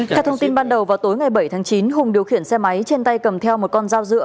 theo thông tin ban đầu vào tối ngày bảy tháng chín hùng điều khiển xe máy trên tay cầm theo một con dao dựa